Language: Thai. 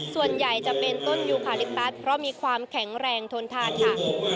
ส่วนใหญ่จะเป็นต้นยูคาลิปตัสเพราะมีความแข็งแรงทนทานค่ะ